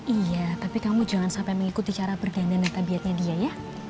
iya tapi kamu jangan sampai mengikuti cara berdendam yatabiatnya dia ya